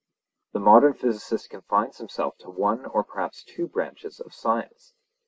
The modern physicist confines himself to one or perhaps two branches of science.